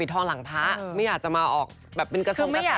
ทองหลังพระไม่อยากจะมาออกแบบเป็นกระทรงกระแส